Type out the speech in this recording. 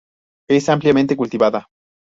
Es ampliamente cultivada.